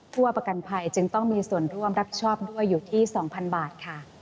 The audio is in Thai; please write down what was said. ผู้ประกันภัยจึงต้องมีส่วนร่วมรับชอบด้วยอยู่ที่๒๐๐๐บาทค่ะ